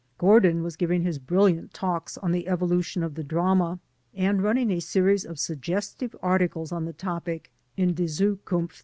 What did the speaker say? Gordin was giving his brilliant talks on the Evolution of the Drama, and running a series of sug gestive articles on the topic in Die Zukunft.